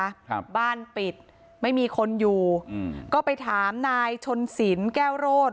ครับบ้านปิดไม่มีคนอยู่อืมก็ไปถามนายชนสินแก้วโรด